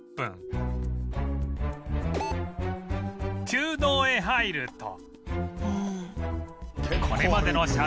旧道へ入ると